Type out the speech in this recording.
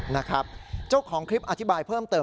นะครับเจ้าของคลิปอธิบายเพิ่มเติม